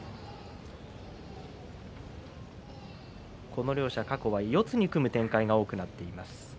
この両者、過去は四つに組む展開が多くなっています。